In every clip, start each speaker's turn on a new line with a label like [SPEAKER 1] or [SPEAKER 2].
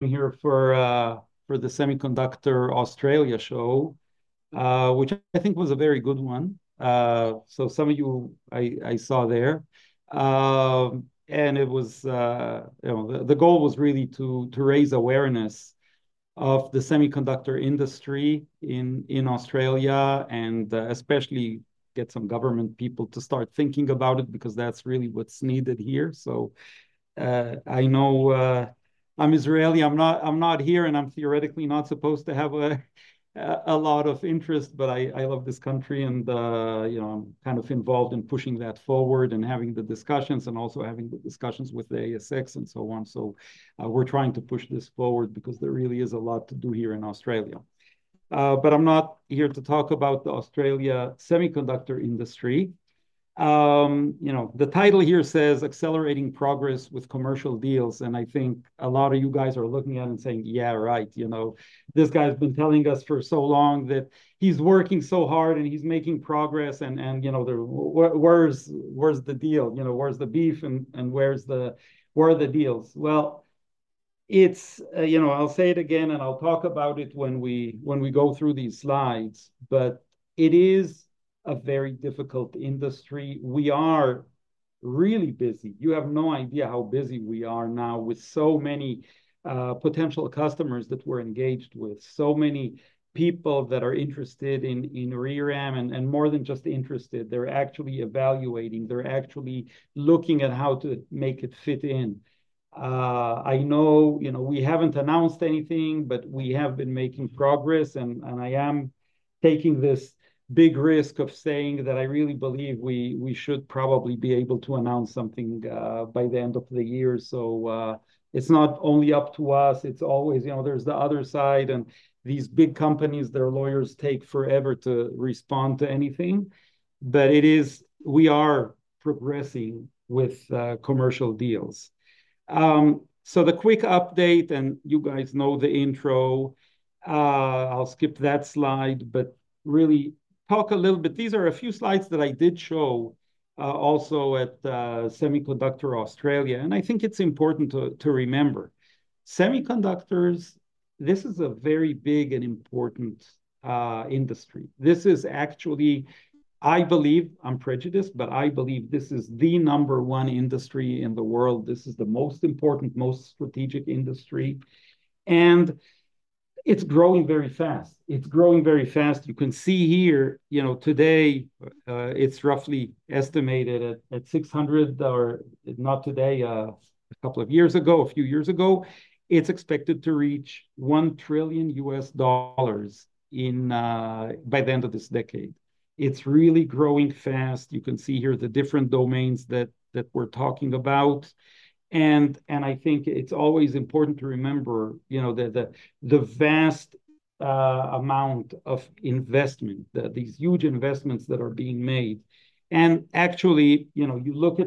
[SPEAKER 1] Here for the Semiconductor Australia show, which I think was a very good one. So some of you, I saw there. And it was, you know, the goal was really to raise awareness of the semiconductor industry in Australia, and especially get some government people to start thinking about it, because that's really what's needed here. So, I know, I'm Israeli, I'm not here, and I'm theoretically not supposed to have a lot of interest, but I love this country and, you know, I'm kind of involved in pushing that forward and having the discussions, and also having the discussions with the ASX, and so on. So, we're trying to push this forward because there really is a lot to do here in Australia. But I'm not here to talk about the Australian semiconductor industry. You know, the title here says, "Accelerating Progress With Commercial Deals," and I think a lot of you guys are looking at it and saying: "Yeah, right, you know, this guy's been telling us for so long that he's working so hard, and he's making progress, and you know, where's the deal? You know, where's the beef, and where are the deals?" Well, it's you know, I'll say it again, and I'll talk about it when we go through these slides, but it is a very difficult industry. We are really busy. You have no idea how busy we are now with so many potential customers that we're engaged with. So many people that are interested in ReRAM, and more than just interested, they're actually evaluating, they're actually looking at how to make it fit in. I know, you know, we haven't announced anything, but we have been making progress, and I am taking this big risk of saying that I really believe we should probably be able to announce something by the end of the year. So, it's not only up to us, it's always, you know, there's the other side, and these big companies, their lawyers take forever to respond to anything. But it is, we are progressing with commercial deals. So the quick update, and you guys know the intro, I'll skip that slide, but really talk a little bit, these are a few slides that I did show, also at Semiconductor Australia, and I think it's important to remember. Semiconductors, this is a very big and important industry. This is actually, I believe, I'm prejudiced, but I believe this is the number one industry in the world. This is the most important, most strategic industry, and it's growing very fast. It's growing very fast. You can see here, you know, today, it's roughly estimated at six hundred. Not today, a couple of years ago, a few years ago. It's expected to reach $1 trillion by the end of this decade. It's really growing fast. You can see here the different domains that we're talking about. And I think it's always important to remember, you know, the vast amount of investment, these huge investments that are being made. And actually, you know, you look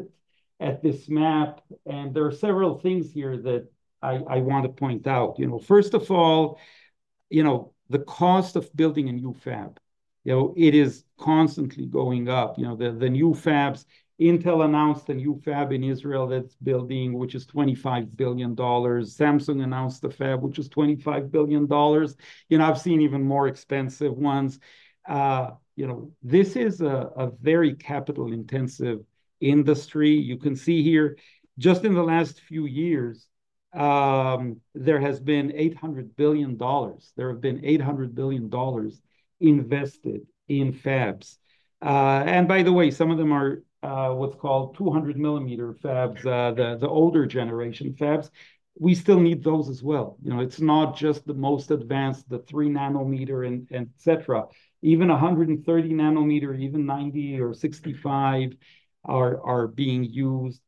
[SPEAKER 1] at this map, and there are several things here that I want to point out. You know, first of all, you know, the cost of building a new fab, you know, it is constantly going up. You know, the new fabs, Intel announced a new fab in Israel that's building, which is $25 billion. Samsung announced a fab, which is $25 billion. You know, I've seen even more expensive ones. You know, this is a very capital-intensive industry. You can see here, just in the last few years, there has been $800 billion. There have been $800 billion invested in fabs. And by the way, some of them are what's called 200 mm fabs, the older generation fabs. We still need those as well. You know, it's not just the most advanced, the 3 nm, and et cetera. Even a 130 nm, even 90 or 65 are being used.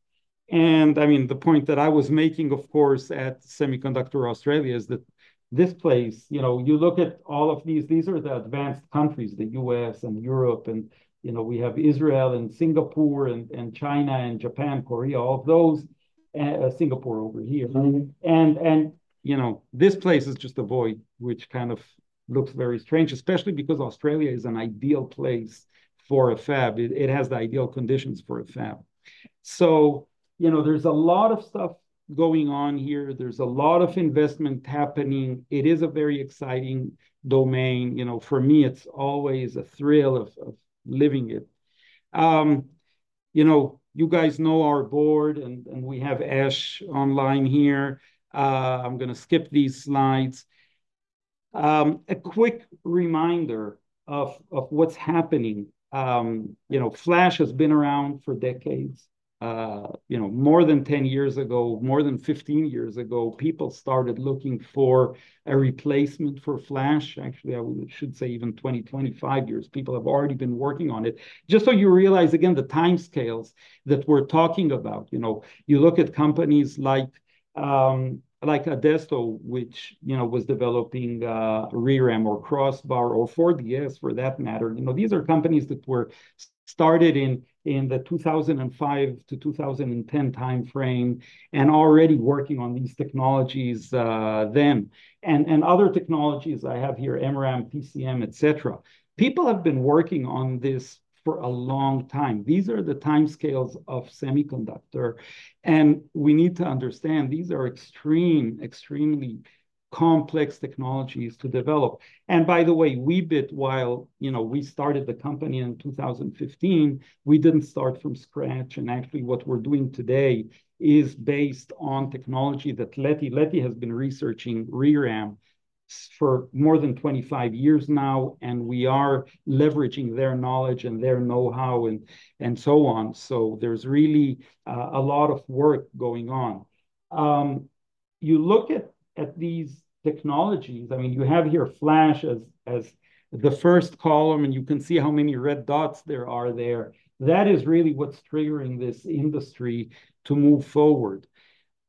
[SPEAKER 1] I mean, the point that I was making, of course, at Semiconductor Australia is that this place. You know, you look at all of these, these are the advanced countries, the U.S. and Europe, and, you know, we have Israel, and Singapore, and China, and Japan, Korea, all of those, Singapore over here. And, you know, this place is just a void, which kind of looks very strange, especially because Australia is an ideal place for a fab. It has the ideal conditions for a fab. So, you know, there's a lot of stuff going on here. There's a lot of investment happening. It is a very exciting domain. You know, for me, it's always a thrill of living it. You know, you guys know our board, and we have Ash online here. I'm gonna skip these slides. A quick reminder of what's happening. You know, flash has been around for decades. You know, more than 10 years ago, more than 15 years ago, people started looking for a replacement for flash. Actually, I should say even 20, 25 years, people have already been working on it. Just so you realize, again, the timescales that we're talking about, you know, you look at companies like, like Adesto, which, you know, was developing ReRAM, or crossbar, or 4DS, for that matter. You know, these are companies that were started in, in the 2005-2010 timeframe, and already working on these technologies, then. And other technologies I have here, MRAM, PCM, et cetera. People have been working on this for a long time. These are the timescales of semiconductor, and we need to understand these are extremely complex technologies to develop. And by the way, Weebit, while, you know, we started the company in 2015, we didn't start from scratch, and actually, what we're doing today is based on technology that Leti has been researching ReRAM. For more than 25 years now, and we are leveraging their knowledge, and their know-how, and so on. So there's really a lot of work going on. You look at these technologies. I mean, you have here flash as the first column, and you can see how many red dots there are there. That is really what's triggering this industry to move forward.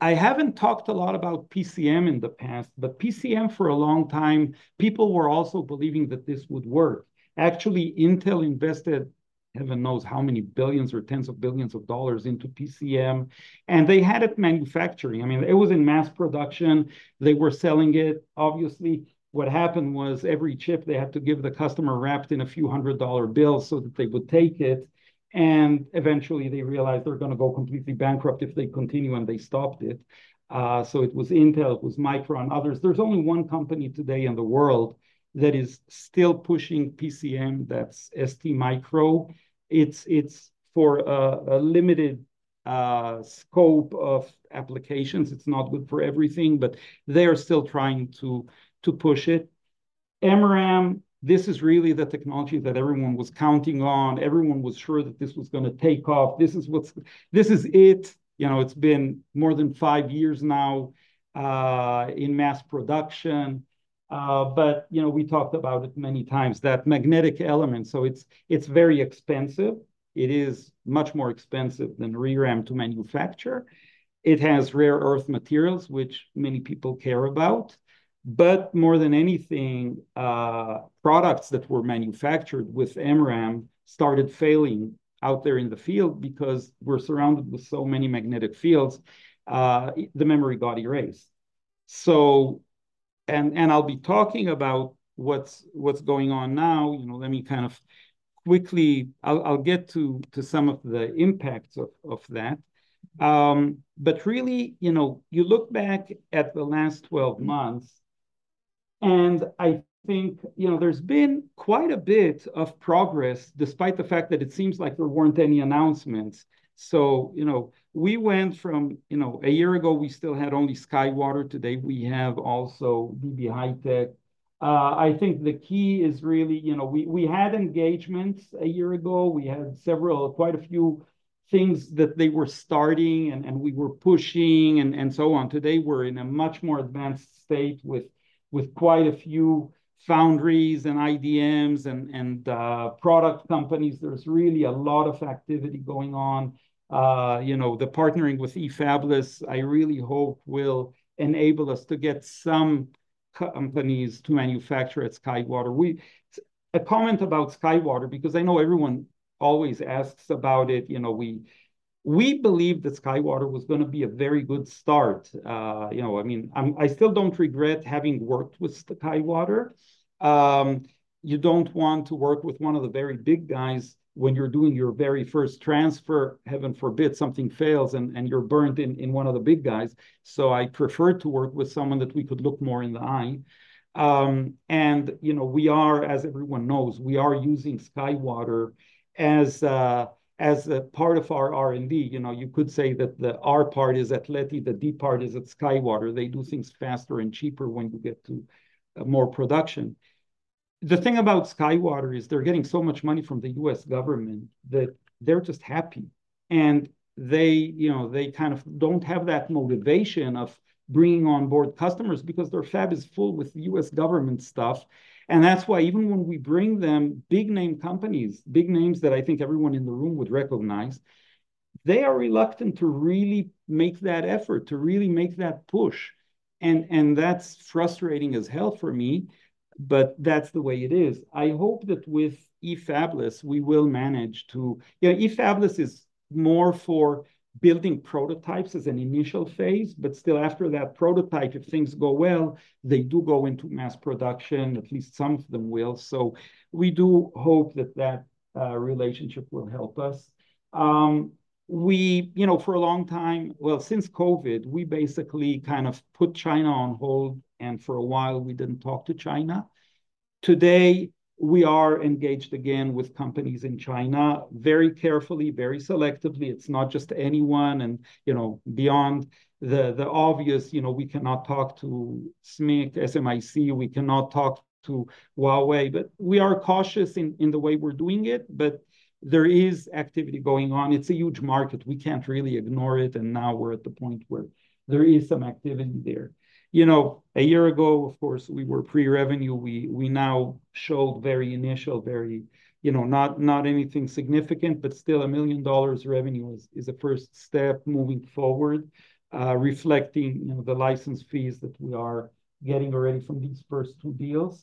[SPEAKER 1] I haven't talked a lot about PCM in the past, but PCM for a long time, people were also believing that this would work. Actually, Intel invested, heaven knows how many billions or tens of billions of dollars into PCM, and they had it manufacturing. I mean, it was in mass production. They were selling it. Obviously, what happened was, every chip they had to give the customer wrapped in a few hundred dollar bills so that they would take it, and eventually, they realized they're gonna go completely bankrupt if they continue, and they stopped it. So it was Intel, it was Micron, others. There's only one company today in the world that is still pushing PCM, that's STMicro. It's for a limited scope of applications. It's not good for everything, but they're still trying to push it. MRAM, this is really the technology that everyone was counting on. Everyone was sure that this was gonna take off. This is what's. This is it. You know, it's been more than five years now in mass production, but, you know, we talked about it many times, that magnetic element. So it's very expensive. It is much more expensive than ReRAM to manufacture. It has rare earth materials, which many people care about. But more than anything, products that were manufactured with MRAM started failing out there in the field, because we're surrounded with so many magnetic fields, the memory got erased. So, and I'll be talking about what's going on now. You know, let me kind of quickly. I'll get to some of the impacts of that. But really, you know, you look back at the last 12 months, and I think, you know, there's been quite a bit of progress, despite the fact that it seems like there weren't any announcements. So, you know, we went from, you know, a year ago, we still had only SkyWater. Today, we have also DB HiTek. I think the key is really, you know, we had engagements a year ago. We had several, quite a few things that they were starting and we were pushing and so on. Today, we're in a much more advanced state with quite a few foundries, and IDMs, and product companies. There's really a lot of activity going on. You know, the partnering with eFabless, I really hope will enable us to get some companies to manufacture at SkyWater. We. A comment about SkyWater, because I know everyone always asks about it. You know, we believe that SkyWater was gonna be a very good start. You know, I mean, I still don't regret having worked with SkyWater. You don't want to work with one of the very big guys when you're doing your very first transfer. Heaven forbid, something fails, and you're burned in in one of the big guys. So I prefer to work with someone that we could look more in the eye. You know, we are, as everyone knows, we are using SkyWater as a part of our R&D. You know, you could say that the R part is Leti, the D part is at SkyWater. They do things faster and cheaper when you get to more production. The thing about SkyWater is they're getting so much money from the U.S. government that they're just happy, and they, you know, they kind of don't have that motivation of bringing on board customers because their fab is full with U.S. government stuff. And that's why even when we bring them big name companies, big names that I think everyone in the room would recognize, they are reluctant to really make that effort, to really make that push. And that's frustrating as hell for me, but that's the way it is. I hope that with eFabless, we will manage to. You know, eFabless is more for building prototypes as an initial phase, but still after that prototype, if things go well, they do go into mass production. At least some of them will. So we do hope that that relationship will help us. We, you know, for a long time. Well, since COVID, we basically kind of put China on hold, and for a while, we didn't talk to China. Today, we are engaged again with companies in China, very carefully, very selectively. It's not just anyone, and, you know, beyond the obvious, you know, we cannot talk to SMIC, S-M-I-C. We cannot talk to Huawei, but we are cautious in the way we're doing it, but there is activity going on. It's a huge market. We can't really ignore it, and now we're at the point where there is some activity there. You know, a year ago, of course, we were pre-revenue. We now show very initial, very, you know... not anything significant, but still $1 million revenue is a first step moving forward, reflecting, you know, the license fees that we are getting already from these first two deals.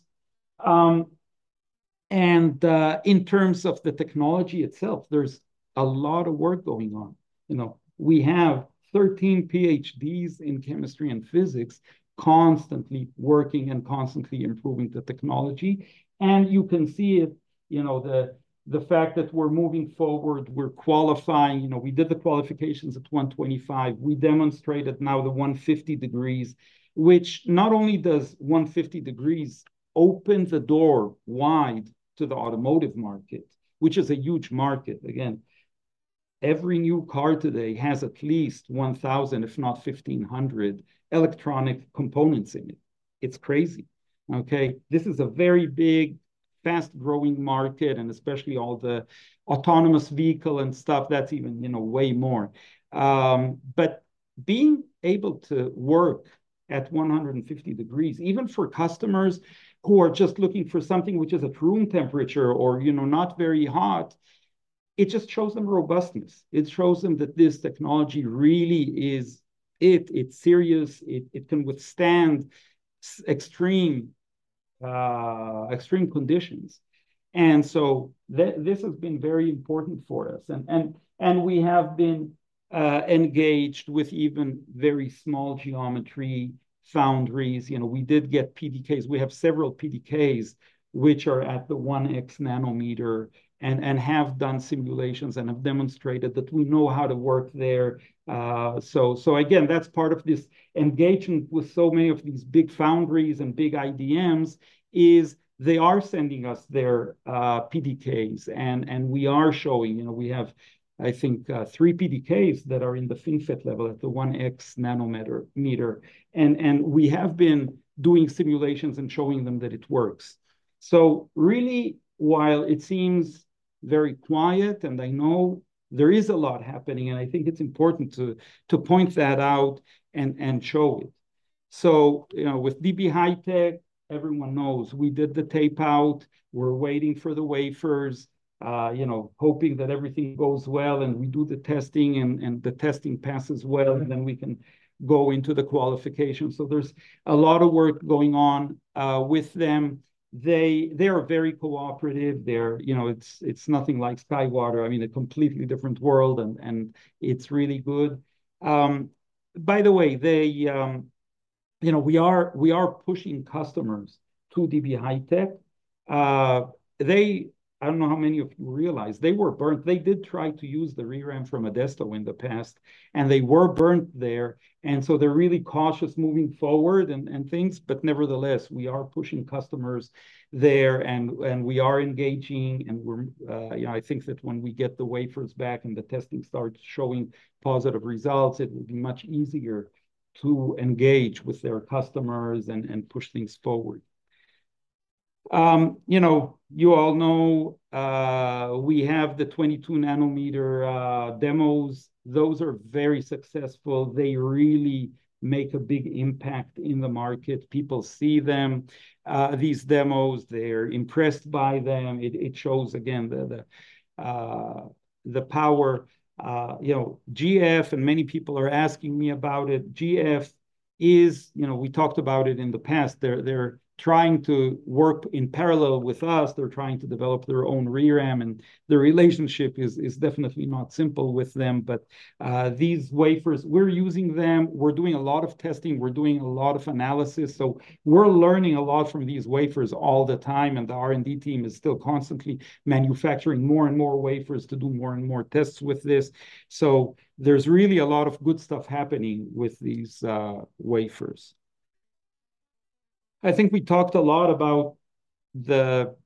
[SPEAKER 1] And, in terms of the technology itself, there's a lot of work going on. You know, we have 13 PhDs in chemistry and physics constantly working and constantly improving the technology, and you can see it, you know, the fact that we're moving forward, we're qualifying. You know, we did the qualifications at 125. We demonstrated now the 150 degrees, which not only does 150 degrees open the door wide to the automotive market, which is a huge market, again, every new car today has at least 1,000, if not 1,500 electronic components in it. It's crazy, okay? This is a very big, fast-growing market, and especially all the autonomous vehicle and stuff, that's even, you know, way more. But being able to work at 150 degrees, even for customers who are just looking for something which is at room temperature or, you know, not very hot, it just shows them robustness. It shows them that this technology really is it. It's serious. It can withstand extreme conditions. So this has been very important for us, and we have been engaged with even very small geometry foundries. You know, we did get PDKs. We have several PDKs, which are at the one X nanometer, and have done simulations and have demonstrated that we know how to work there. So again, that's part of this engagement with so many of these big foundries and big IDMs. They are sending us their PDKs, and we are showing. You know, we have, I think, three PDKs that are in the FinFET level, at the one X nanometer. We have been doing simulations and showing them that it works. So really, while it seems very quiet, and I know there is a lot happening, and I think it's important to point that out and show it. You know, with DB HiTek, everyone knows we did the tapeout. We're waiting for the wafers, you know, hoping that everything goes well, and we do the testing, and the testing passes well, and then we can go into the qualification. So there's a lot of work going on with them. They are very cooperative. They're, you know, it's nothing like SkyWater. I mean, a completely different world, and it's really good. By the way, they, you know, we are pushing customers to DB HiTek. They, I don't know how many of you realize, they were burnt. They did try to use the ReRAM from Adesto in the past, and they were burnt there, and so they're really cautious moving forward and things. But nevertheless, we are pushing customers there, and we are engaging, and we're. You know, I think that when we get the wafers back, and the testing starts showing positive results, it will be much easier to engage with their customers and push things forward. You know, you all know, we have the 22 nm demos. Those are very successful. They really make a big impact in the market. People see them, these demos, they're impressed by them. It shows, again, the power. You know, GF, and many people are asking me about it, GF is. You know, we talked about it in the past. They're trying to work in parallel with us. They're trying to develop their own ReRAM, and the relationship is definitely not simple with them. But these wafers, we're using them, we're doing a lot of testing, we're doing a lot of analysis, so we're learning a lot from these wafers all the time, and the R&D team is still constantly manufacturing more and more wafers to do more and more tests with this. So there's really a lot of good stuff happening with these wafers. I think we talked a lot about the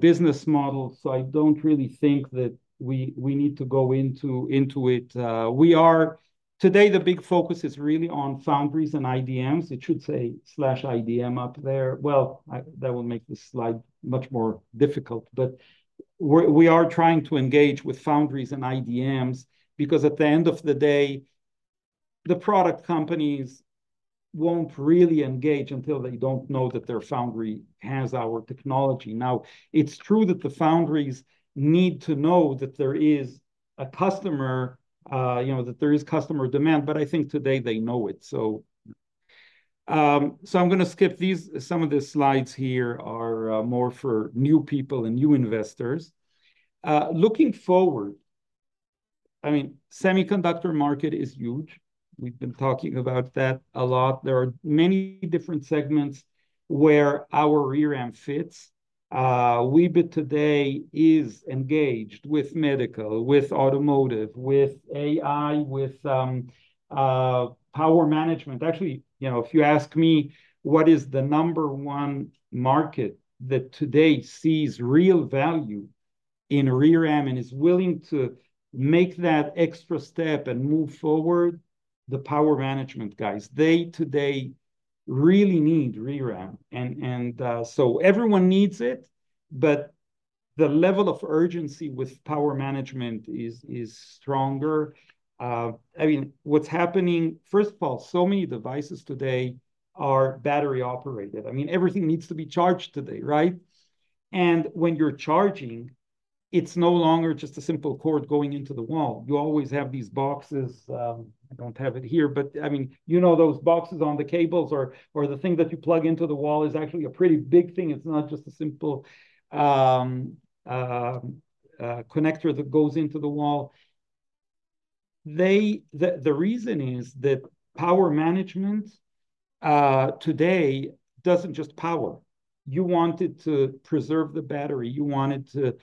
[SPEAKER 1] business model, so I don't really think that we need to go into it. We are today, the big focus is really on foundries and IDMs. It should say slash IDM up there. Well, that will make this slide much more difficult, but we are trying to engage with foundries and IDMs because at the end of the day, the product companies won't really engage until they don't know that their foundry has our technology. Now, it's true that the foundries need to know that there is a customer, you know, that there is customer demand, but I think today they know it. So, so I'm gonna skip these. Some of the slides here are more for new people and new investors. Looking forward, I mean, semiconductor market is huge. We've been talking about that a lot. There are many different segments where our ReRAM fits. Weebit today is engaged with medical, with automotive, with AI, with power management. Actually, you know, if you ask me, what is the number one market that today sees real value in ReRAM and is willing to make that extra step and move forward? The power management guys. They, today, really need ReRAM, and so everyone needs it, but the level of urgency with power management is stronger. I mean, what's happening, first of all, so many devices today are battery-operated. I mean, everything needs to be charged today, right? And when you're charging, it's no longer just a simple cord going into the wall. You always have these boxes, I don't have it here, but I mean, you know those boxes on the cables or the thing that you plug into the wall is actually a pretty big thing. It's not just a simple connector that goes into the wall. The reason is that power management today doesn't just power. You want it to preserve the battery. You want it to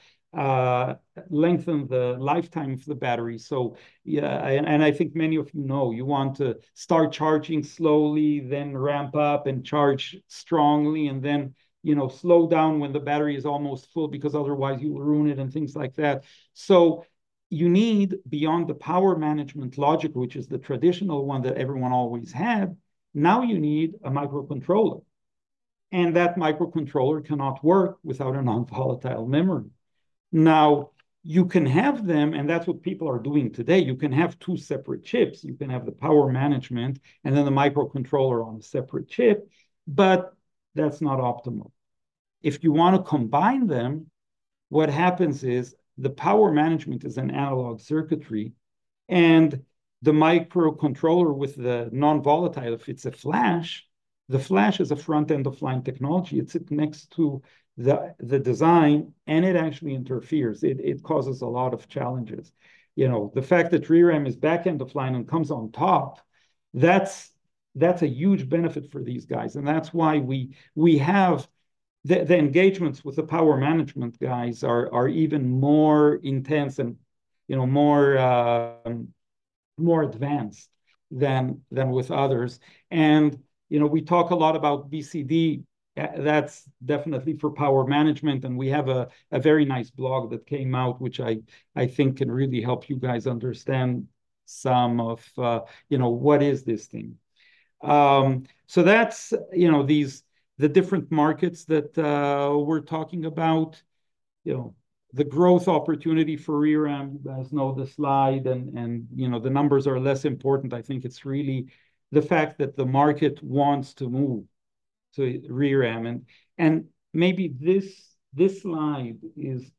[SPEAKER 1] lengthen the lifetime of the battery. So, yeah, and I think many of you know, you want to start charging slowly, then ramp up and charge strongly, and then, you know, slow down when the battery is almost full, because otherwise you will ruin it, and things like that. So you need beyond the power management logic, which is the traditional one that everyone always had, now you need a microcontroller, and that microcontroller cannot work without a non-volatile memory. Now, you can have them, and that's what people are doing today. You can have two separate chips, you can have the power management, and then the microcontroller on a separate chip, but that's not optimal. If you wanna combine them, what happens is the power management is an analog circuitry, and the microcontroller with the non-volatile, if it's a flash, the flash is a front-end of line technology. It sit next to the design, and it actually interferes. It causes a lot of challenges. You know, the fact that ReRAM is back-end of line and comes on top, that's a huge benefit for these guys, and that's why we have the engagements with the power management guys are even more intense and, you know, more advanced than with others. And, you know, we talk a lot about BCD, that's definitely for power management, and we have a very nice blog that came out, which I think can really help you guys understand some of, you know, what is this thing? So that's, you know, these, the different markets that we're talking about. You know, the growth opportunity for ReRAM, you guys know the slide, and you know, the numbers are less important. I think it's really the fact that the market wants to move to ReRAM. And maybe this slide is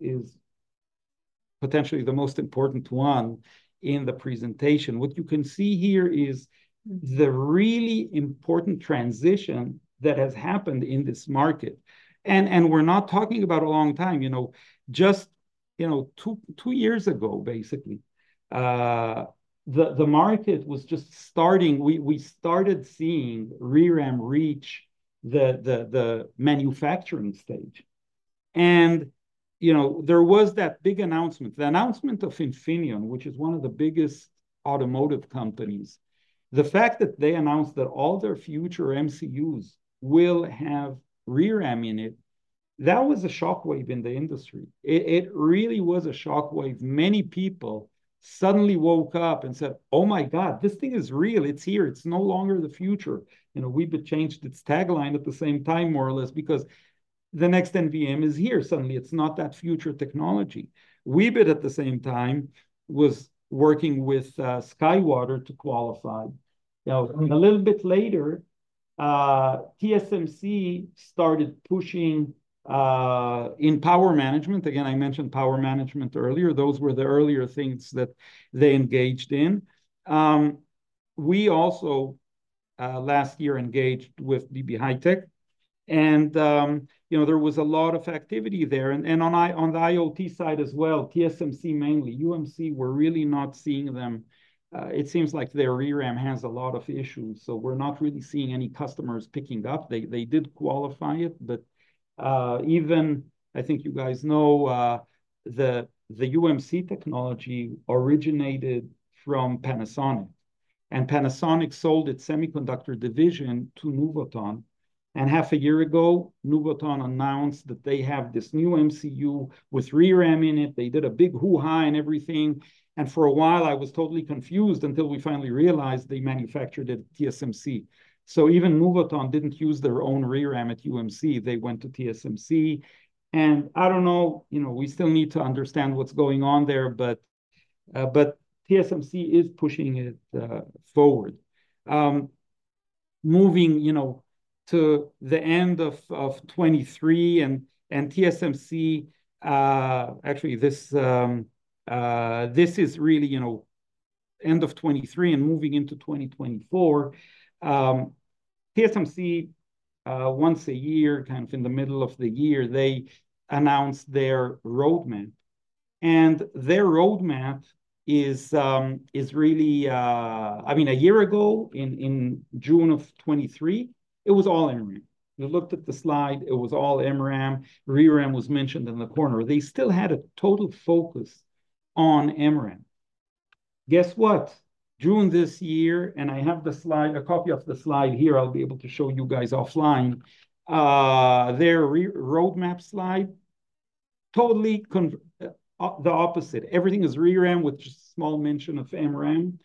[SPEAKER 1] potentially the most important one in the presentation. What you can see here is the really important transition that has happened in this market, and we're not talking about a long time. You know, just, you know, two years ago, basically, the market was just starting. We started seeing ReRAM reach the manufacturing stage. And, you know, there was that big announcement, the announcement of Infineon, which is one of the biggest automotive companies. The fact that they announced that all their future MCUs will have ReRAM in it, that was a shockwave in the industry. It really was a shockwave. Many people suddenly woke up and said, "Oh, my God, this thing is real. It's here. It's no longer the future." You know, Weebit changed its tagline at the same time, more or less, because the next NVM is here. Suddenly, it's not that future technology. Weebit, at the same time, was working with SkyWater to qualify. Now, a little bit later, TSMC started pushing in power management. Again, I mentioned power management earlier. Those were the earlier things that they engaged in. We also last year engaged with DB HiTek, and you know, there was a lot of activity there, and on the IoT side as well, TSMC, mainly. UMC, we're really not seeing them. It seems like their ReRAM has a lot of issues, so we're not really seeing any customers picking up. They did qualify it, but even I think you guys know the UMC technology originated from Panasonic, and Panasonic sold its semiconductor division to Nuvoton. And half a year ago, Nuvoton announced that they have this new MCU with ReRAM in it. They did a big hoo-ha and everything, and for a while I was totally confused until we finally realized they manufactured at TSMC. So even Nuvoton didn't use their own ReRAM at UMC, they went to TSMC. And I don't know, you know, we still need to understand what's going on there, but TSMC is pushing it forward. Moving, you know, to the end of 2023 and TSMC, actually this is really, you know, end of 2023 and moving into 2024. TSMC once a year, kind of in the middle of the year, they announce their roadmap, and their roadmap is really. I mean, a year ago, in June of 2023, it was all MRAM. We looked at the slide, it was all MRAM. ReRAM was mentioned in the corner. They still had a total focus on MRAM. Guess what? June this year, and I have the slide, a copy of the slide here, I'll be able to show you guys offline. Their roadmap slide, totally the opposite. Everything is ReRAM with just a small mention of MRAM.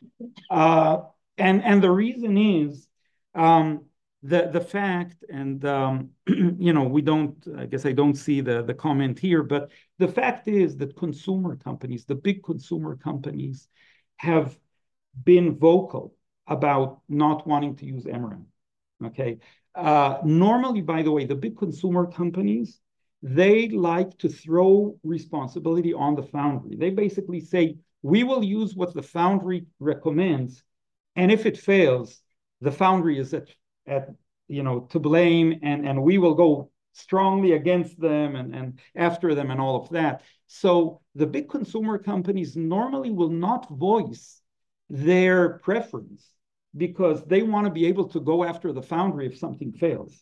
[SPEAKER 1] And the reason is, the fact, you know, we don't. I guess I don't see the comment here, but the fact is that consumer companies, the big consumer companies, have been vocal about not wanting to use MRAM, okay? Normally, by the way, the big consumer companies, they like to throw responsibility on the foundry. They basically say: "We will use what the foundry recommends, and if it fails, the foundry is at fault, you know, to blame, and we will go strongly against them, and after them," and all of that. So the big consumer companies normally will not voice their preference because they wanna be able to go after the foundry if something fails.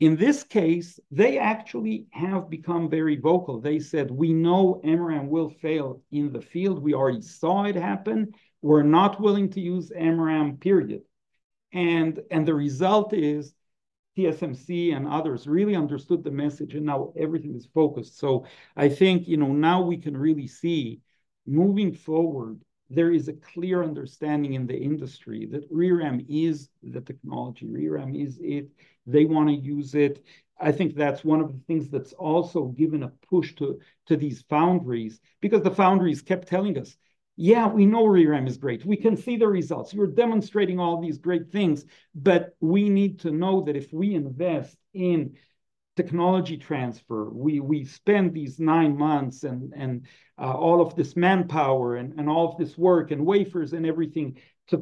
[SPEAKER 1] In this case, they actually have become very vocal. They said, "We know MRAM will fail in the field. We already saw it happen. We're not willing to use MRAM, period." and, and the result is TSMC and others really understood the message, and now everything is focused. So I think, you know, now we can really see, moving forward, there is a clear understanding in the industry that ReRAM is the technology. ReRAM is it. They wanna use it. I think that's one of the things that's also given a push to, to these foundries, because the foundries kept telling us, "Yeah, we know ReRAM is great. We can see the results. You're demonstrating all these great things, but we need to know that if we invest in technology transfer, we spend these nine months and all of this manpower and all of this work and wafers and everything to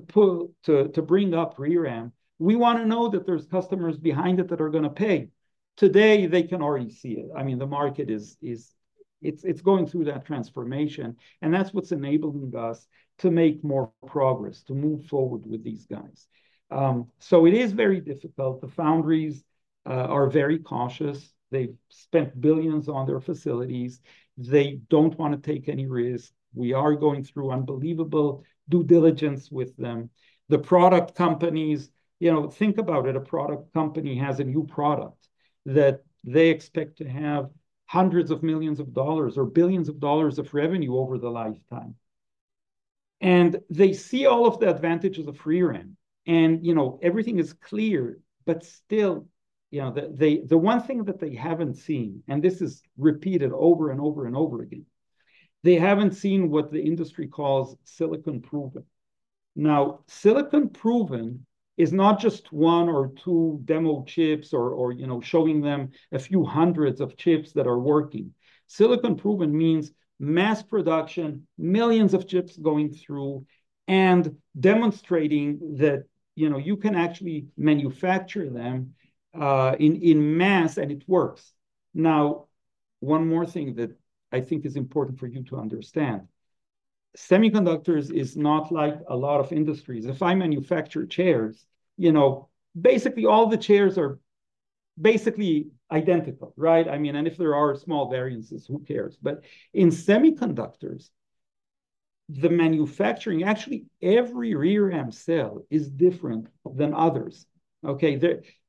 [SPEAKER 1] bring up ReRAM, we wanna know that there's customers behind it that are gonna pay." Today, they can already see it. I mean, the market is going through that transformation, and that's what's enabling us to make more progress, to move forward with these guys. So it is very difficult. The foundries are very cautious. They've spent billions on their facilities. They don't wanna take any risks. We are going through unbelievable due diligence with them. The product companies. You know, think about it. A product company has a new product that they expect to have hundreds of millions of dollars or billions of dollars of revenue over the lifetime, and they see all of the advantages of ReRAM. You know, everything is clear, but still, you know, the one thing that they haven't seen, and this is repeated over and over and over again, they haven't seen what the industry calls silicon-proven. Now, silicon-proven is not just one or two demo chips or, you know, showing them a few hundreds of chips that are working. Silicon-proven means mass production, millions of chips going through, and demonstrating that, you know, you can actually manufacture them in mass, and it works. Now, one more thing that I think is important for you to understand: Semiconductors is not like a lot of industries. If I manufacture chairs, you know, basically all the chairs are basically identical, right? I mean, and if there are small variances, who cares? But in semiconductors, the manufacturing, actually, every ReRAM cell is different than others, okay?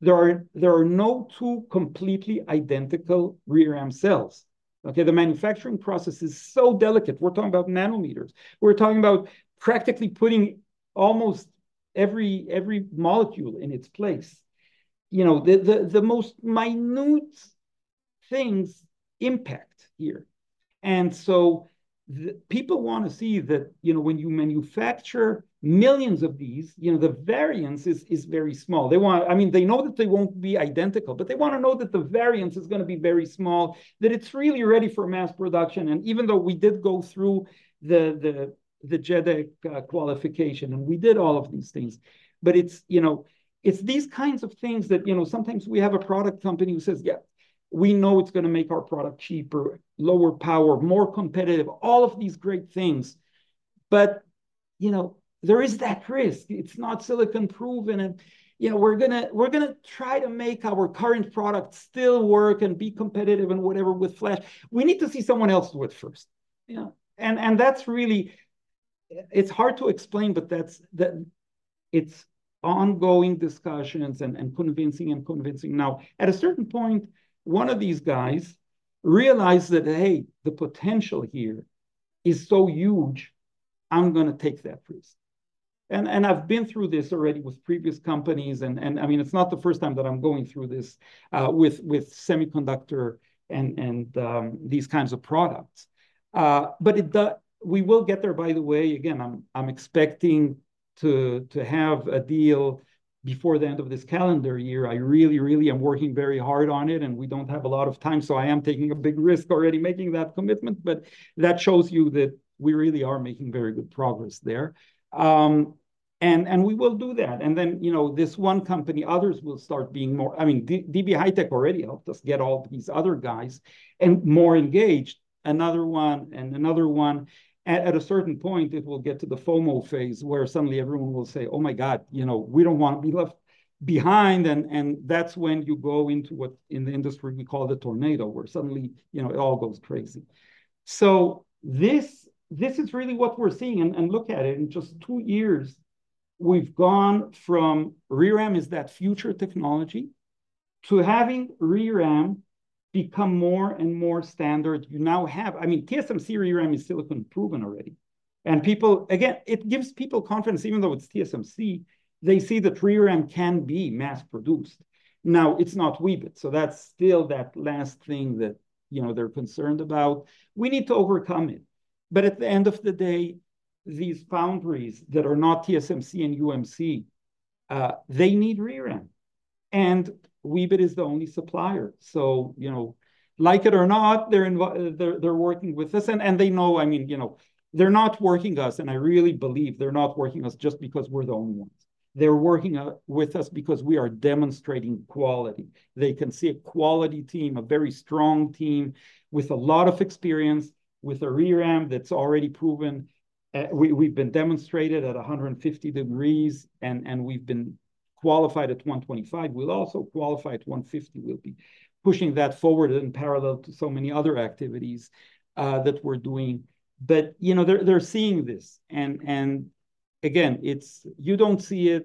[SPEAKER 1] There are no two completely identical ReRAM cells, okay? The manufacturing process is so delicate. We're talking about nanometers. We're talking about practically putting almost every molecule in its place. You know, the most minute things impact here. And so, people wanna see that, you know, when you manufacture millions of these, you know, the variance is very small. They want, I mean, they know that they won't be identical, but they wanna know that the variance is gonna be very small, that it's really ready for mass production. Even though we did go through the JEDEC qualification, and we did all of these things, but it's, you know, it's these kinds of things that, you know, sometimes we have a product company who says, "Yeah, we know it's gonna make our product cheaper, lower power, more competitive," all of these great things, but, you know, there is that risk. It's not silicon-proven, and, you know, we're gonna try to make our current product still work and be competitive and whatever with flash. We need to see someone else do it first, you know? And that's really. It's hard to explain, but that's the, it's ongoing discussions and convincing. Now, at a certain point, one of these guys realized that, "Hey, the potential here is so huge, I'm gonna take that risk." And I've been through this already with previous companies, and, I mean, it's not the first time that I'm going through this with semiconductor and these kinds of products. But we will get there, by the way. Again, I'm expecting to have a deal before the end of this calendar year. I really, really am working very hard on it, and we don't have a lot of time, so I am taking a big risk already making that commitment. But that shows you that we really are making very good progress there. And we will do that. And then, you know, this one company, others will start being more... I mean, DB HiTek already helped us get all these other guys and more engaged, another one and another one. At a certain point, it will get to the FOMO phase, where suddenly everyone will say, "Oh, my God, you know, we don't want to be left behind." And that's when you go into what in the industry we call the tornado, where suddenly, you know, it all goes crazy. So this is really what we're seeing. And look at it, in just two years, we've gone from ReRAM is that future technology to having ReRAM become more and more standard. You now have, I mean, TSMC ReRAM is silicon-proven already, and people, again, it gives people confidence. Even though it's TSMC, they see that ReRAM can be mass-produced. Now, it's not Weebit, so that's still that last thing that, you know, they're concerned about. We need to overcome it. But at the end of the day, these foundries that are not TSMC and UMC, they need ReRAM, and Weebit is the only supplier. So, you know, like it or not, they're working with us, and they know. I mean, you know, they're not working with us, and I really believe they're not working with us just because we're the only ones. They're working with us because we are demonstrating quality. They can see a quality team, a very strong team with a lot of experience, with a ReRAM that's already proven. We've been demonstrated at 150 degrees, and we've been qualified at 125. We'll also qualify at 150. We'll be pushing that forward in parallel to so many other activities that we're doing. But, you know, they're seeing this, and again, it's you don't see it.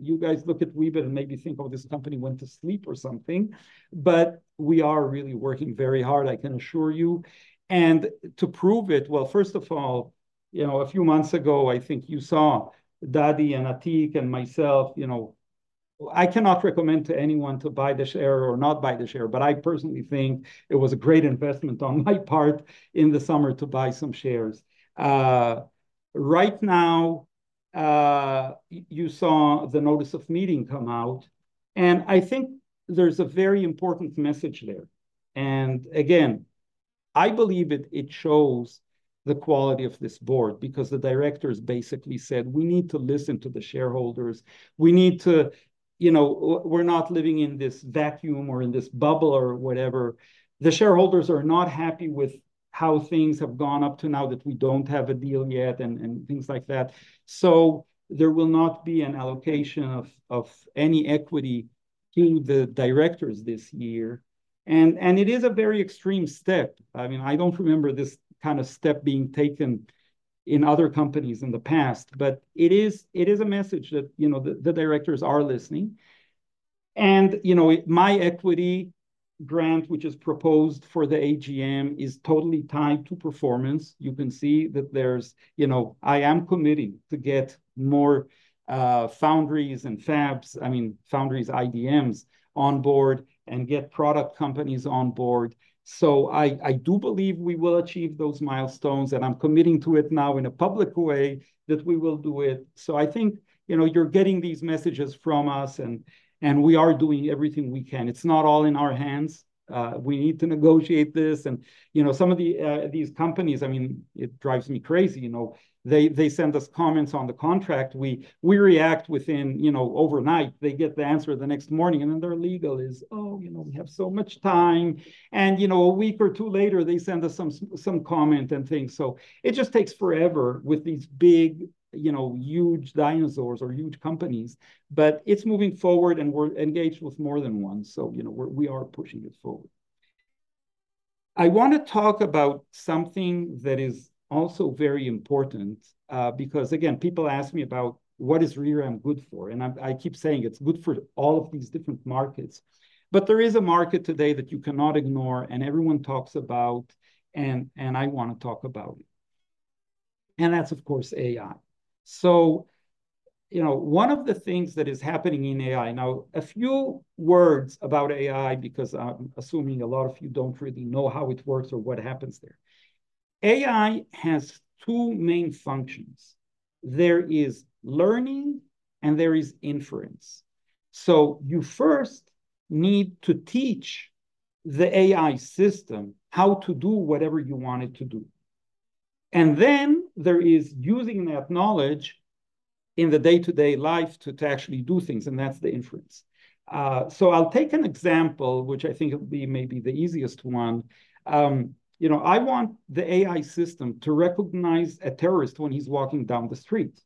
[SPEAKER 1] You guys look at Weebit and maybe think, "Oh, this company went to sleep or something." But we are really working very hard, I can assure you. And to prove it, well, first of all, you know, a few months ago, I think you saw Dadi, and Atiq, and myself, you know, I cannot recommend to anyone to buy the share or not buy the share, but I personally think it was a great investment on my part in the summer to buy some shares. Right now, you saw the notice of meeting come out, and I think there's a very important message there. And again, I believe it shows the quality of this board, because the directors basically said, "We need to listen to the shareholders. We need to you know, we're not living in this vacuum, or in this bubble, or whatever. The shareholders are not happy with how things have gone up to now, that we don't have a deal yet and things like that. So there will not be an allocation of any equity to the directors this year, and it is a very extreme step. I mean, I don't remember this kind of step being taken in other companies in the past, but it is a message that you know the directors are listening, and you know it, my equity grant, which is proposed for the AGM, is totally tied to performance. You can see that there's you know, I am committing to get more foundries and fabs. I mean, foundries, IDMs on board, and get product companies on board. So I do believe we will achieve those milestones, and I'm committing to it now in a public way, that we will do it. So I think, you know, you're getting these messages from us, and we are doing everything we can. It's not all in our hands. We need to negotiate this. And, you know, some of the, these companies, I mean, it drives me crazy, you know. They send us comments on the contract. We react within, you know, overnight. They get the answer the next morning, and then their legal is, "Oh, you know, we have so much time." And, you know, a week or two later, they send us some comment and things. So it just takes forever with these big, you know, huge dinosaurs or huge companies, but it's moving forward, and we're engaged with more than one. So, you know, we're, we are pushing it forward. I wanna talk about something that is also very important, because, again, people ask me about: What is ReRAM good for? And I, I keep saying it's good for all of these different markets. But there is a market today that you cannot ignore, and everyone talks about, and, and I wanna talk about, and that's of course AI. So, you know, one of the things that is happening in AI. Now, a few words about AI, because I'm assuming a lot of you don't really know how it works or what happens there. AI has two main functions: there is learning and there is inference. So you first need to teach the AI system how to do whatever you want it to do, and then there is using that knowledge in the day-to-day life to actually do things, and that's the inference, so I'll take an example, which I think it would be maybe the easiest one. You know, I want the AI system to recognize a terrorist when he's walking down the street,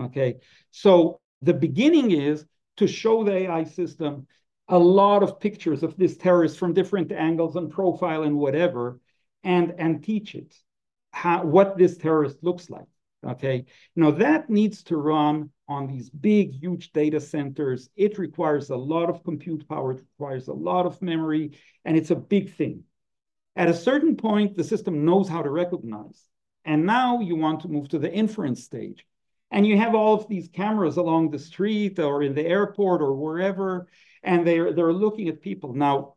[SPEAKER 1] okay? So the beginning is to show the AI system a lot of pictures of this terrorist from different angles, and profile, and whatever, and teach it how what this terrorist looks like, okay? Now, that needs to run on these big, huge data centers. It requires a lot of compute power, it requires a lot of memory, and it's a big thing. At a certain point, the system knows how to recognize, and now you want to move to the inference stage. You have all of these cameras along the street, or in the airport, or wherever, and they're looking at people. Now,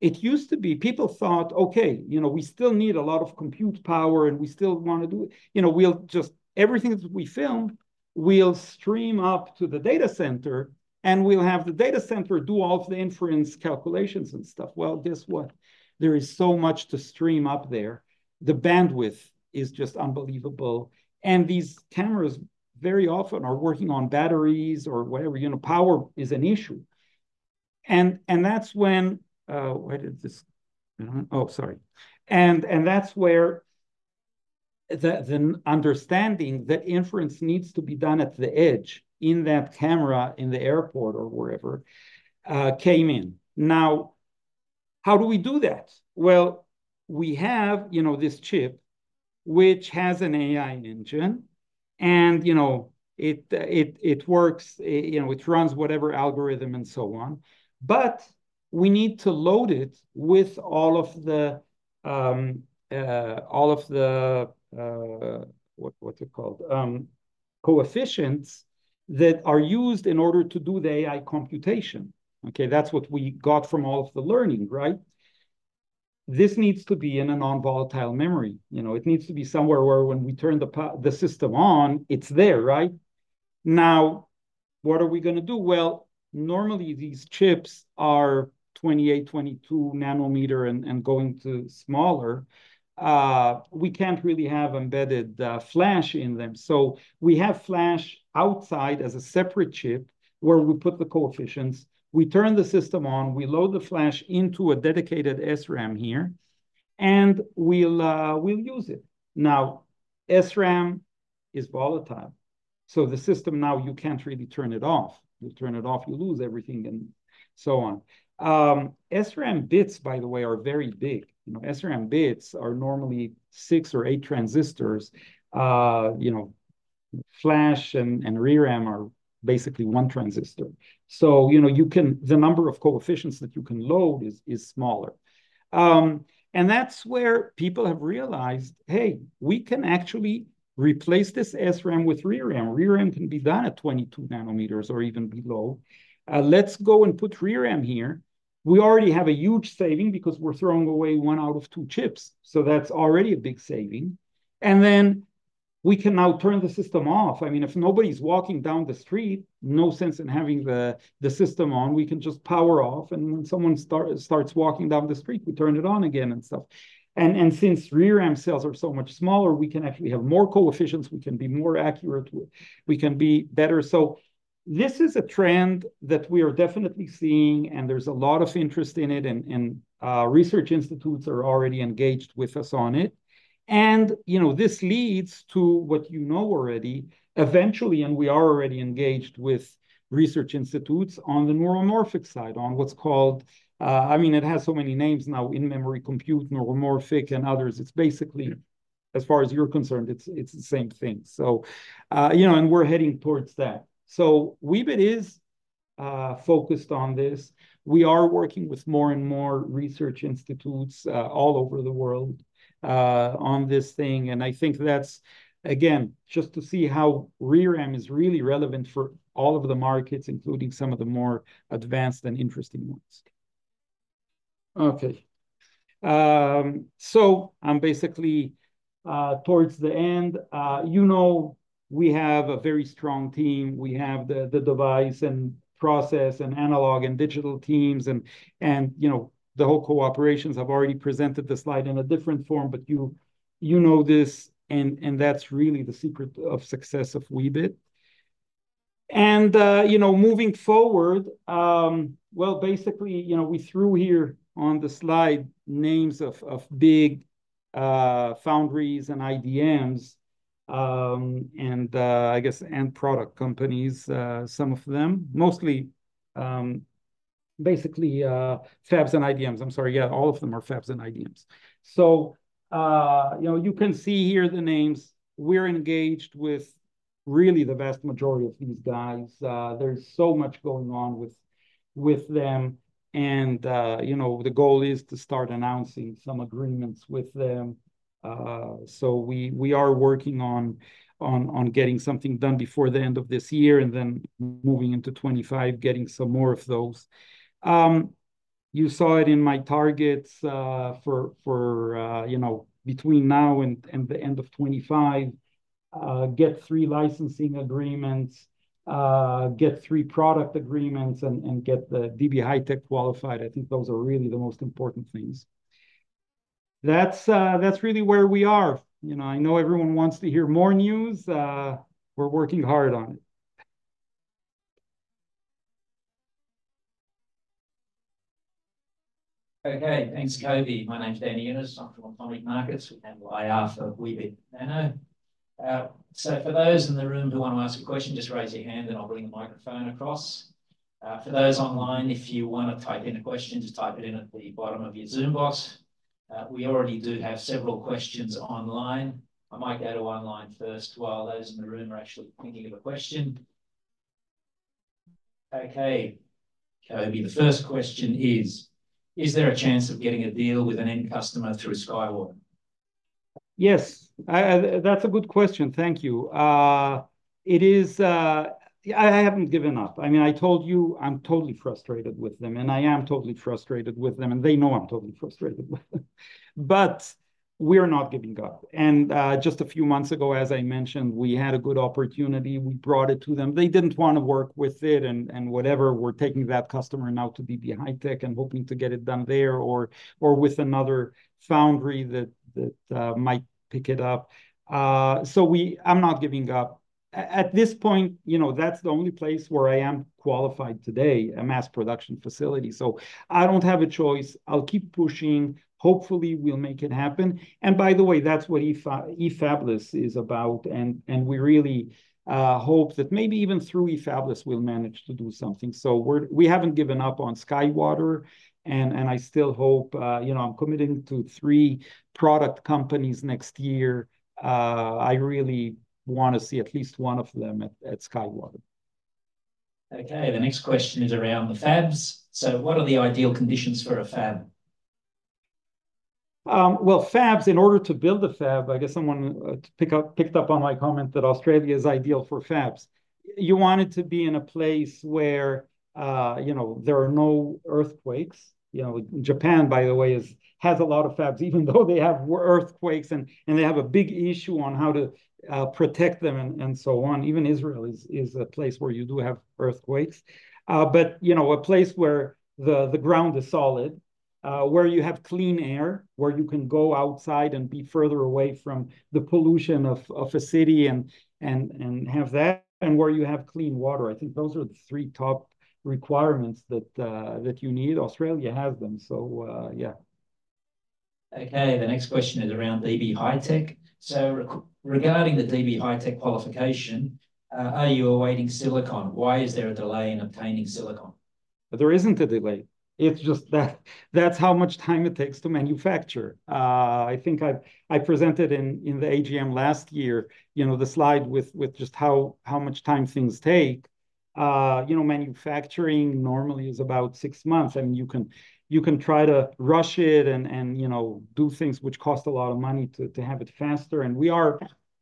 [SPEAKER 1] it used to be people thought, "Okay, you know, we still need a lot of compute power, and we still wanna do it. You know, we'll just, everything that we film, we'll stream up to the data center, and we'll have the data center do all of the inference calculations and stuff." Guess what? There is so much to stream up there. The bandwidth is just unbelievable, and these cameras very often are working on batteries or whatever. You know, power is an issue. And that's when... That's where the understanding that inference needs to be done at the edge, in that camera, in the airport or wherever, came in. Now, how do we do that? Well, we have, you know, this chip, which has an AI engine, and, you know, it works, you know, it runs whatever algorithm and so on, but we need to load it with all of the, what, what's it called? coefficients that are used in order to do the AI computation. Okay, that's what we got from all of the learning, right? This needs to be in a non-volatile memory. You know, it needs to be somewhere where when we turn the system on, it's there, right? Now, what are we gonna do? Normally these chips are 28, 22 nm and going to smaller. We can't really have embedded flash in them. So we have flash outside as a separate chip, where we put the coefficients. We turn the system on, we load the flash into a dedicated SRAM here, and we'll use it. Now, SRAM is volatile, so the system now, you can't really turn it off. You turn it off, you lose everything, and so on. SRAM bits, by the way, are very big. You know, SRAM bits are normally six or eight transistors. Flash and ReRAM are basically one transistor. So, you know, the number of coefficients that you can load is smaller. And that's where people have realized, hey, we can actually replace this SRAM with ReRAM. ReRAM can be done at 22 nm or even below. Let's go and put ReRAM here. We already have a huge saving because we're throwing away one out of two chips, so that's already a big saving. And then, we can now turn the system off. I mean, if nobody's walking down the street, no sense in having the, the system on. We can just power off, and when someone starts walking down the street, we turn it on again and stuff. And since ReRAM cells are so much smaller, we can actually have more coefficients, we can be more accurate, we can be better. So this is a trend that we are definitely seeing, and there's a lot of interest in it, and research institutes are already engaged with us on it. You know, this leads to what you know already, eventually, and we are already engaged with research institutes on the neuromorphic side, on what's called. I mean, it has so many names now: in-memory compute, neuromorphic, and others. It's basically, as far as you're concerned, it's the same thing. You know, and we're heading towards that. Weebit is focused on this. We are working with more and more research institutes all over the world on this thing, and I think that's, again, just to see how ReRAM is really relevant for all of the markets, including some of the more advanced and interesting ones. Okay. I'm basically towards the end. You know, we have a very strong team. We have the device, and process, and analog, and digital teams, and you know, the whole cooperations. I've already presented this slide in a different form, but you know this, and that's really the secret of success of Weebit, and you know, moving forward, well, basically, you know, we threw here on the slide names of big foundries and IDMs, and I guess and product companies, some of them, mostly, basically, fabs and IDMs. I'm sorry, yeah, all of them are fabs and IDMs, so you know, you can see here the names. We're engaged with really the vast majority of these guys. There's so much going on with them, and you know, the goal is to start announcing some agreements with them, so we are working on getting something done before the end of this year, and then moving into 2025, getting some more of those. You saw it in my targets, for, you know, between now and the end of 2025, get three licensing agreements, get three product agreements, and get the DB HiTek qualified. I think those are really the most important things. That's really where we are. You know, I know everyone wants to hear more news. We're working hard on it.
[SPEAKER 2] Okay, thanks, Coby. My name is Danny Younis, I'm from Automic Markets. We handle IR for Weebit Nano. So for those in the room who want to ask a question, just raise your hand and I'll bring the microphone across. For those online, if you wanna type in a question, just type it in at the bottom of your Zoom box. We already do have several questions online. I might go to online first, while those in the room are actually thinking of a question. Okay, Coby, the first question is: Is there a chance of getting a deal with an end customer through SkyWater?
[SPEAKER 1] Yes. That's a good question. Thank you. It is... I haven't given up. I mean, I told you I'm totally frustrated with them, and I am totally frustrated with them, and they know I'm totally frustrated with them, but we are not giving up, and just a few months ago, as I mentioned, we had a good opportunity. We brought it to them. They didn't want to work with it, and whatever. We're taking that customer now to DB HiTek and hoping to get it done there, or with another foundry that might pick it up. So I'm not giving up. At this point, you know, that's the only place where I am qualified today, a mass production facility. So I don't have a choice. I'll keep pushing. Hopefully, we'll make it happen, and by the way, that's what eFabless is about, and we really hope that maybe even through eFabless, we'll manage to do something. So we haven't given up on SkyWater, and I still hope, you know, I'm committing to three product companies next year. I really wanna see at least one of them at SkyWater.
[SPEAKER 2] Okay, the next question is around the fabs. So what are the ideal conditions for a fab?
[SPEAKER 1] Well, fabs, in order to build a fab, I guess someone picked up on my comment that Australia is ideal for fabs. You want it to be in a place where, you know, there are no earthquakes. You know, Japan, by the way, has a lot of fabs, even though they have earthquakes, and they have a big issue on how to protect them, and so on. Even Israel is a place where you do have earthquakes. But, you know, a place where the ground is solid, where you have clean air, where you can go outside and be further away from the pollution of a city, and have that, and where you have clean water. I think those are the three top requirements that you need. Australia has them, so, yeah.
[SPEAKER 2] Okay, the next question is around DB HiTek. So regarding the DB HiTek qualification, are you awaiting silicon? Why is there a delay in obtaining silicon?
[SPEAKER 1] There isn't a delay. It's just that, that's how much time it takes to manufacture. I think I presented in the AGM last year, you know, the slide with just how much time things take. You know, manufacturing normally is about six months, and you can try to rush it and, you know, do things which cost a lot of money to have it faster. And we are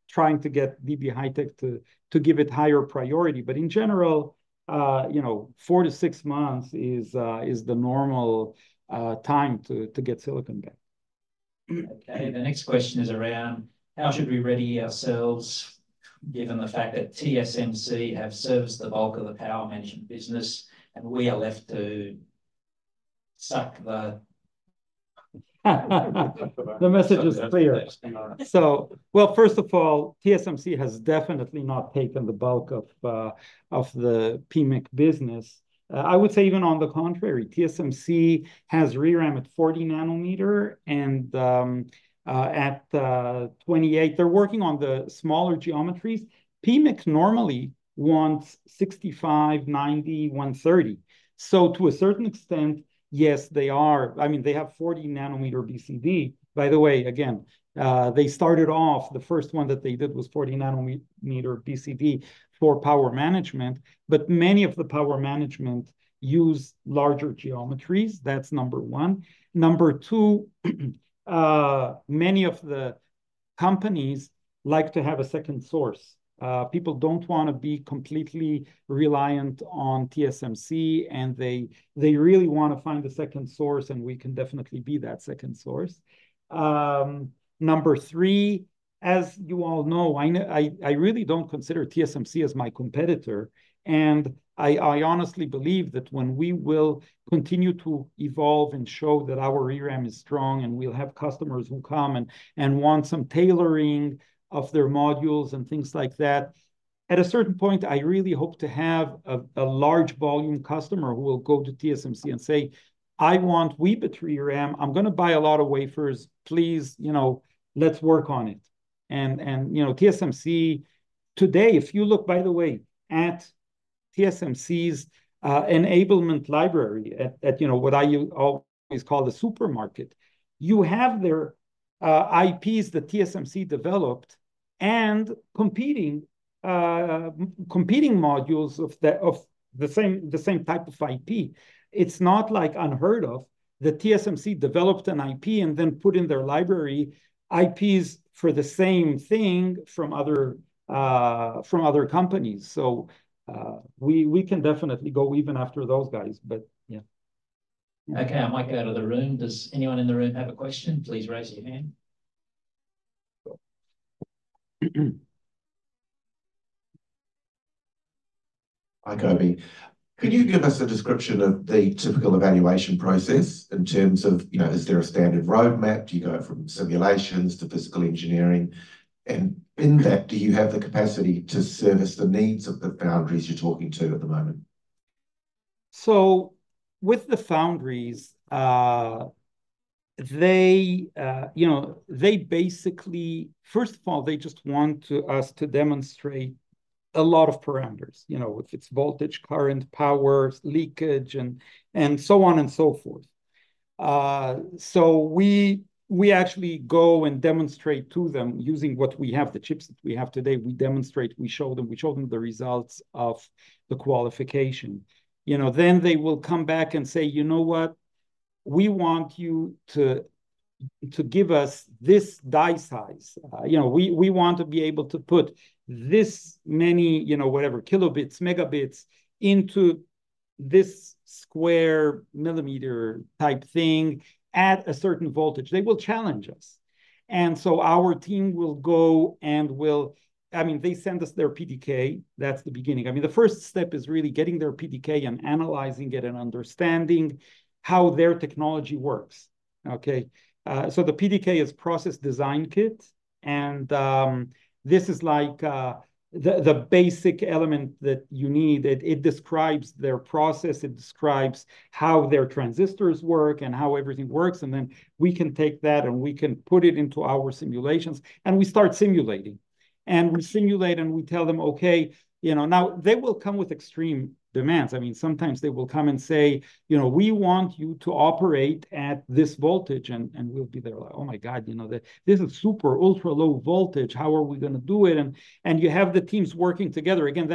[SPEAKER 1] trying to get DB HiTek to give it higher priority. But in general, you know, four to six months is the normal time to get silicon back.
[SPEAKER 2] Okay, the next question is around: how should we ready ourselves, given the fact that TSMC have serviced the bulk of the power management business, and we are left to suck the-
[SPEAKER 1] The message is clear.
[SPEAKER 2] Yes.
[SPEAKER 1] First of all, TSMC has definitely not taken the bulk of the PMIC business. I would say even on the contrary, TSMC has ReRAM at 40 nm and at 28nm. They're working on the smaller geometries. PMIC normally wants 65, 90, 130. So to a certain extent, yes, they are. I mean, they have 40 nm BCD. By the way, again, they started off, the first one that they did was 40 nm BCD for power management, but many of the power management use larger geometries. That's number one. Number two, many of the companies like to have a second source. People don't wanna be completely reliant on TSMC, and they really wanna find a second source, and we can definitely be that second source. Number three, as you all know, I really don't consider TSMC as my competitor, and I honestly believe that when we will continue to evolve and show that our ReRAM is strong, and we'll have customers who come and want some tailoring of their modules and things like that, at a certain point, I really hope to have a large volume customer who will go to TSMC and say, "I want Weebit ReRAM. I'm gonna buy a lot of wafers. Please, you know, let's work on it." And you know, TSMC today, if you look, by the way, at TSMC's enablement library at what I always call the supermarket, you have their IPs that TSMC developed and competing modules of the same type of IP. It's not, like, unheard of that TSMC developed an IP and then put in their library IPs for the same thing from other companies. So, we can definitely go even after those guys, but yeah.
[SPEAKER 2] Okay, I might go to the room. Does anyone in the room have a question? Please raise your hand.
[SPEAKER 3] Hi, Coby. Can you give us a description of the typical evaluation process in terms of, you know, is there a standard roadmap? Do you go from simulations to physical engineering? And in that, do you have the capacity to service the needs of the foundries you're talking to at the moment?
[SPEAKER 1] So with the foundries, they, you know, they basically. First of all, they just want to us to demonstrate a lot of parameters, you know, if it's voltage, current, power, leakage, and so on and so forth. So we actually go and demonstrate to them using what we have, the chips that we have today, we demonstrate, we show them, we show them the results of the qualification. You know, then they will come back and say, "You know what? We want you to give us this die size. You know, we want to be able to put this many, you know, whatever, kilobits, megabits into this square millimeter-type thing at a certain voltage." They will challenge us. And so our team will go and I mean, they send us their PDK. That's the beginning. I mean, the first step is really getting their PDK and analyzing it and understanding how their technology works. Okay, so the PDK is process design kit, and this is like the basic element that you need. It describes their process, it describes how their transistors work and how everything works, and then we can take that, and we can put it into our simulations, and we start simulating. And we simulate, and we tell them, "Okay," you know. Now, they will come with extreme demands. I mean, sometimes they will come and say, "You know, we want you to operate at this voltage." And we'll be there like, "Oh, my God, you know, this is super, ultra-low voltage. How are we gonna do it?" And you have the teams working together. Again,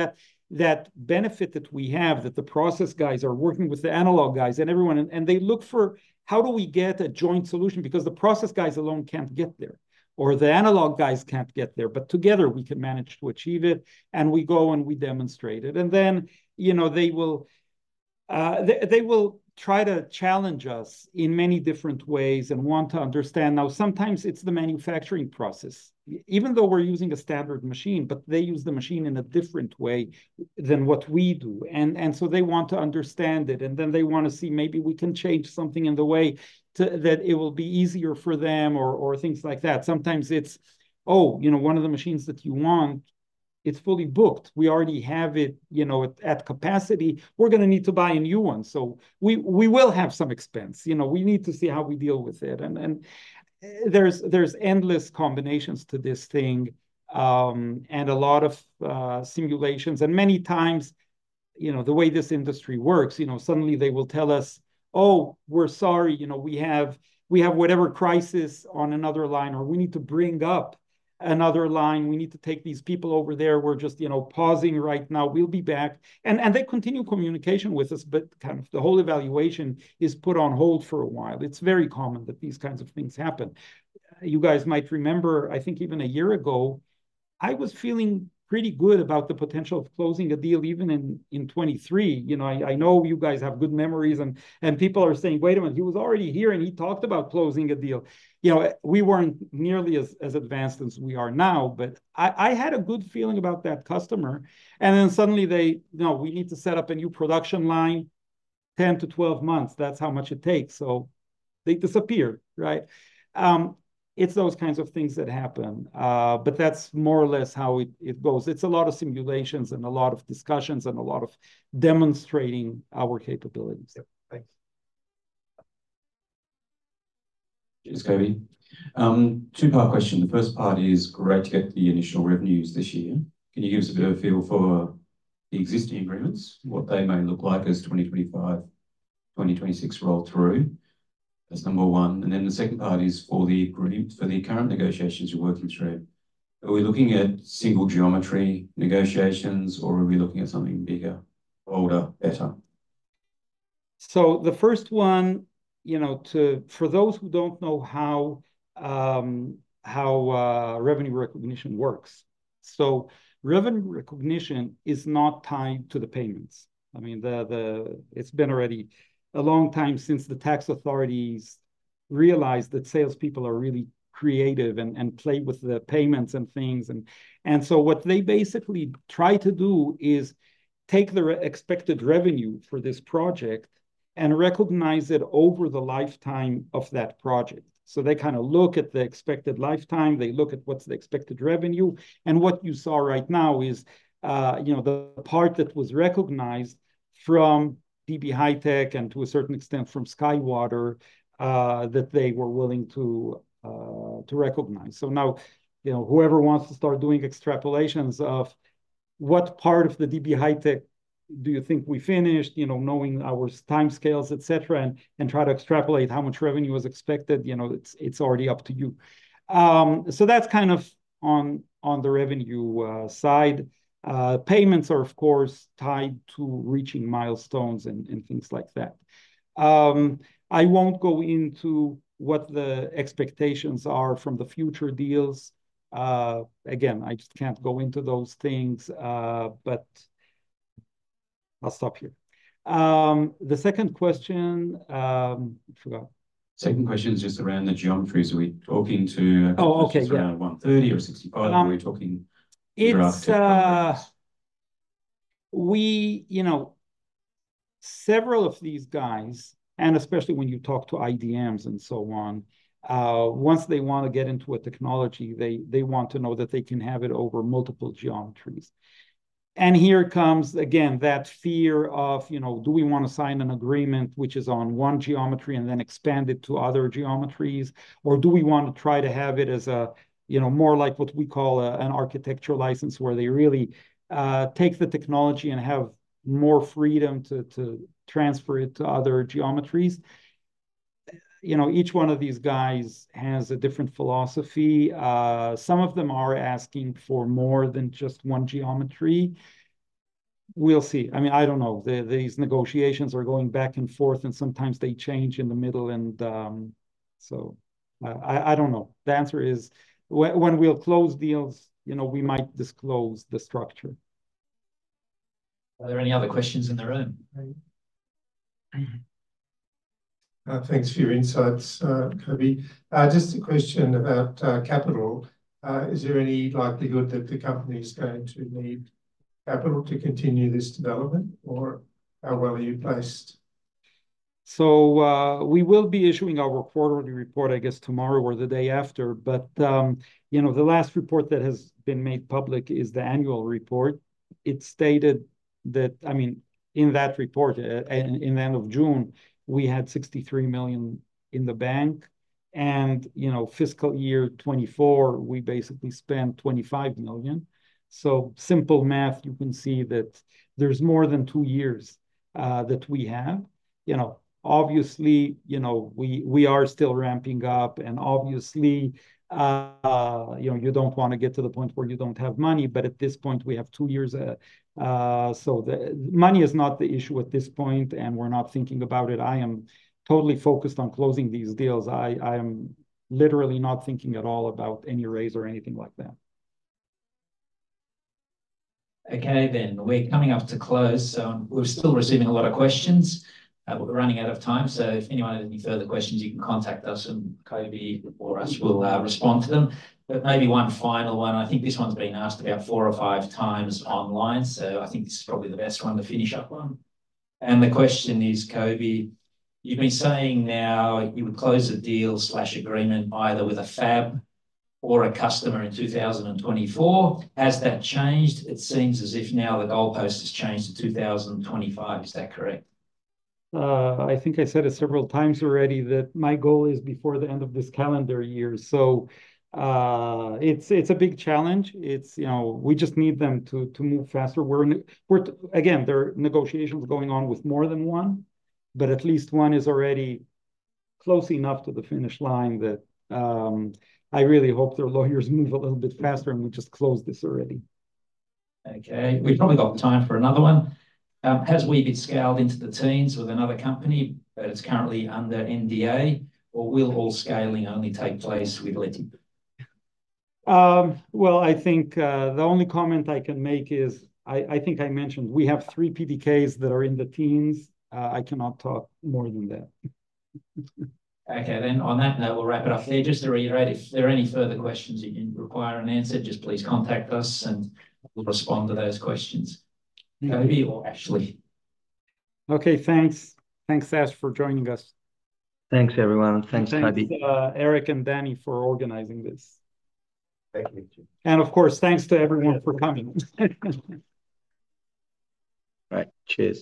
[SPEAKER 1] that benefit that we have, that the process guys are working with the analog guys and everyone, and they look for, "How do we get a joint solution?" Because the process guys alone can't get there, or the analog guys can't get there, but together, we can manage to achieve it, and we go, and we demonstrate it. And then, you know, they will try to challenge us in many different ways and want to understand. Now, sometimes it's the manufacturing process, even though we're using a standard machine, but they use the machine in a different way than what we do. And so they want to understand it, and then they wanna see maybe we can change something in the way to, that it will be easier for them or things like that. Sometimes it's, "Oh, you know, one of the machines that you want, it's fully booked. We already have it, you know, at capacity. We're gonna need to buy a new one," so we will have some expense, you know, we need to see how we deal with it, and there's endless combinations to this thing, and a lot of simulations, and many times, you know, the way this industry works, you know, suddenly they will tell us, "Oh, we're sorry, you know, we have whatever crisis on another line," or, "We need to bring up another line. We need to take these people over there. We're just, you know, pausing right now. We'll be back," and they continue communication with us, but kind of the whole evaluation is put on hold for a while. It's very common that these kinds of things happen. You guys might remember, I think even a year ago, I was feeling pretty good about the potential of closing a deal even in 2023. You know, I know you guys have good memories, and people are saying, "Wait a minute, he was already here, and he talked about closing a deal." You know, we weren't nearly as advanced as we are now, but I had a good feeling about that customer, and then suddenly they, "No, we need to set up a new production line. 10-12 months, that's how much it takes." So they disappear, right? It's those kinds of things that happen. But that's more or less how it goes. It's a lot of simulations and a lot of discussions and a lot of demonstrating our capabilities.
[SPEAKER 3] Yeah. Thanks.
[SPEAKER 4] Thanks, Coby. Two-part question. The first part is great to get the initial revenues this year. Can you give us a better feel for the existing agreements, what they may look like as 2025, 2026 roll through? That's number one, and then the second part is for the current negotiations you're working through, are we looking at single geometry negotiations, or are we looking at something bigger, bolder, better?
[SPEAKER 1] So the first one, you know, for those who don't know how revenue recognition works, so revenue recognition is not tied to the payments. I mean, it's been already a long time since the tax authorities realized that salespeople are really creative and play with the payments and things. And so what they basically try to do is take the expected revenue for this project and recognize it over the lifetime of that project. So they kind of look at the expected lifetime, they look at what's the expected revenue, and what you saw right now is, you know, the part that was recognized from DB HiTek, and to a certain extent, from SkyWater, that they were willing to recognize. So now, you know, whoever wants to start doing extrapolations of what part of the DB HiTek do you think we finished? You know, knowing our timescales, et cetera, and try to extrapolate how much revenue is expected, you know, it's already up to you. So that's kind of on the revenue side. Payments are, of course, tied to reaching milestones and things like that. I won't go into what the expectations are from the future deals. Again, I just can't go into those things, but I'll stop here. The second question, I forgot.
[SPEAKER 4] Second question is just around the geometries. Are we talking to-
[SPEAKER 1] Oh, okay. Yeah....
[SPEAKER 4] around one thirty or sixty-five? Are we talking-
[SPEAKER 1] It's, uh. We, you know, several of these guys, and especially when you talk to IDMs and so on, once they want to get into a technology, they want to know that they can have it over multiple geometries, and here comes, again, that fear of, you know, do we want to sign an agreement which is on one geometry and then expand it to other geometries? Or do we want to try to have it as a, you know, more like what we call a, an architectural license, where they really take the technology and have more freedom to transfer it to other geometries? You know, each one of these guys has a different philosophy. Some of them are asking for more than just one geometry. We'll see. I mean, I don't know. These negotiations are going back and forth, and sometimes they change in the middle, and so I don't know. The answer is, when we'll close deals, you know, we might disclose the structure.
[SPEAKER 2] Are there any other questions in the room?
[SPEAKER 5] Thanks for your insights, Coby. Just a question about capital. Is there any likelihood that the company is going to need capital to continue this development, or how well are you placed?
[SPEAKER 1] We will be issuing our quarterly report, I guess, tomorrow or the day after. But, you know, the last report that has been made public is the annual report. It stated that. I mean, in that report, at the end of June, we had $63 million in the bank, and, you know, fiscal year 2024, we basically spent $25 million. So simple math, you can see that there's more than two years that we have. You know, obviously, you know, we are still ramping up, and obviously, you know, you don't want to get to the point where you don't have money, but at this point, we have two years, so the money is not the issue at this point, and we're not thinking about it. I am totally focused on closing these deals. I am literally not thinking at all about any raise or anything like that.
[SPEAKER 2] Okay, then, we're coming up to close, so we're still receiving a lot of questions. We're running out of time, so if anyone has any further questions, you can contact us, and Coby or us will respond to them. But maybe one final one, I think this one's been asked about four or five times online, so I think this is probably the best one to finish up on. And the question is, Coby, you've been saying now you would close the deal or agreement either with a fab or a customer in 2024. Has that changed? It seems as if now the goalpost has changed to 2025. Is that correct?
[SPEAKER 1] I think I said it several times already, that my goal is before the end of this calendar year. So, it's a big challenge. It's, you know, we just need them to move faster. Again, there are negotiations going on with more than one, but at least one is already close enough to the finish line that I really hope their lawyers move a little bit faster, and we just close this already.
[SPEAKER 2] Okay. We've probably got the time for another one. Has Weebit scaled into the teens with another company that is currently under NDA, or will all scaling only take place with Leti?
[SPEAKER 1] Well, I think the only comment I can make is. I think I mentioned we have three PDKs that are in the teams. I cannot talk more than that.
[SPEAKER 2] Okay, then on that note, we'll wrap it up there. Just to reiterate, if there are any further questions you require an answer, just please contact us, and we'll respond to those questions. Coby, or Ashley.
[SPEAKER 1] Okay, thanks. Thanks, Ash, for joining us.
[SPEAKER 6] Thanks, everyone, and thanks, Coby.
[SPEAKER 1] And thanks, Eric and Danny, for organizing this.
[SPEAKER 2] Thank you.
[SPEAKER 1] And of course, thanks to everyone for coming.
[SPEAKER 2] Right. Cheers.